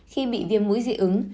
khi bị viêm mũi dị ứng